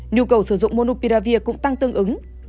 nhu cầu sử dụng monopiravir cũng tăng tương ứng